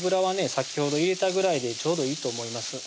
先ほど入れたぐらいでちょうどいいと思います